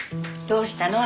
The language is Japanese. どうしたの？